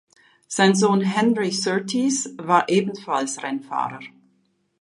Sein Sohn Henry Surtees war ebenfalls Rennfahrer.